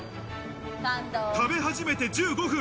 食べ始めて１５分。